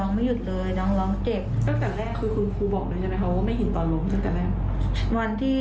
น้ำเสียงคือเสียใจบ้างไหม